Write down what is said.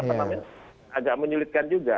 agak menyulitkan juga